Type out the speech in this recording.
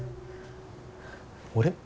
俺？